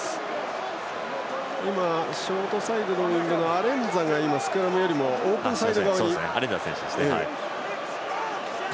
ショートサイドのウイングのアレンザがスクラムよりもオープンサイド側に行きました。